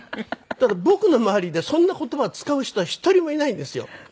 ただ僕の周りでそんな言葉を使う人は一人もいないんですよ。